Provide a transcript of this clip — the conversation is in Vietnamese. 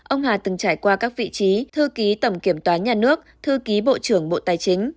ông hà từng trải qua các vị trí thư ký tầm kiểm toán nhà nước thư ký bộ trưởng bộ tài chính